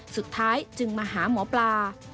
สุดท้ายจึงมาหาหมอปลา